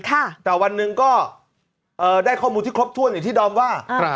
แต่วันหนึ่งก็ได้ข้อมูลที่ครบถ้วนอย่างที่ดอมว่า